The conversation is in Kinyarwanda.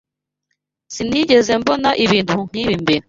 Sinigeze mbona ibintu nkibi mbere.